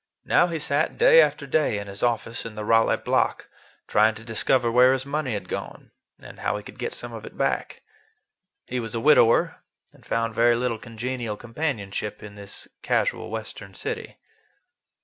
Now he sat day after day in his office in the Raleigh Block, trying to discover where his money had gone and how he could get some of it back. He was a widower, and found very little congenial companionship in this casual Western city.